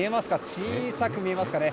小さく見えますかね。